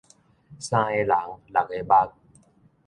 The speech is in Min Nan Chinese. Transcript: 三个人，六个目